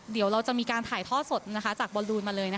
เดี๋ยวเราจะมีการถ่ายท่อสดจากบอลลูนมาเลย